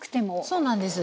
そうなんです。